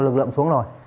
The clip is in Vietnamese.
lực lượng xuống rồi